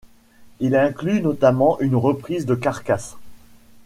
Il inclut notamment une reprise de Carcass, '.